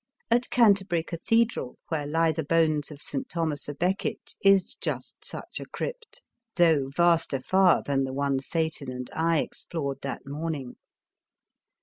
At Canterbury Cathedral, where lie the bones of St. Thomas a Becket, is just such a crypt, though vaster far than the one Satan and I explored that morning.